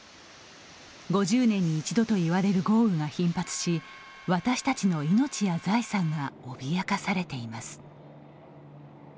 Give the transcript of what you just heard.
５０年に一度と言われる豪雨が頻発し、私たちの命や財産が脅かされています。